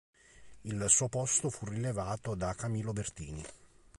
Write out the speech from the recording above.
Il suo posto fu rilevato da Camillo Bertini.